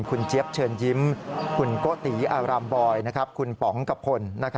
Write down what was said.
คุณเจี๊ยบเชิญยิ้มคุณโกติอารามบอยคุณป๋องกะพล